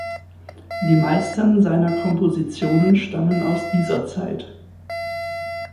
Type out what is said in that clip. Die meisten seiner Kompositionen stammen aus dieser Zeit.